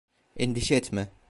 Endişe etme.